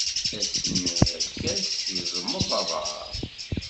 Asmi arkas izmeḍ aḍar.